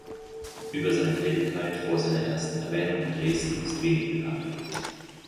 Über seine Tätigkeit vor seiner ersten Erwähnung in Dresden ist wenig bekannt.